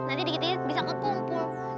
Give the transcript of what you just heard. nanti dikit dikit bisa kekumpul